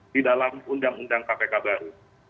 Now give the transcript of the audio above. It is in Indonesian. di dalam undang undang kpk baru